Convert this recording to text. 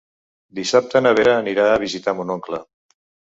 Dissabte na Vera anirà a visitar mon oncle.